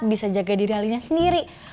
bisa jaga diri alias sendiri